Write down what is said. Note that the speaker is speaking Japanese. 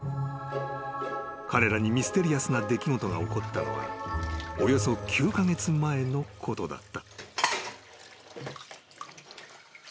［彼らにミステリアスな出来事が起こったのはおよそ９カ月前のことだった］